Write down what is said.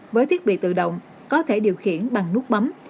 với thiết bị tự động có thể điều khiển bằng nước bấm